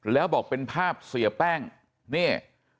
แล้วบอกเป็นภาพเสียแป้งนี่